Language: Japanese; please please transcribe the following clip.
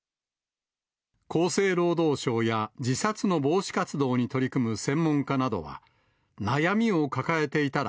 厚生労働省や自殺の防止活動に取り組む専門家などは、悩みを抱えていたら、